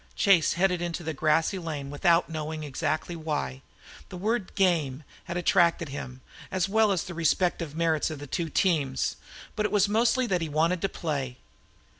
Chase headed into the grassy lane without knowing exactly why. The word "game" had attracted him, as well as the respective merits of the two teams; but it was mostly that he wanted to play.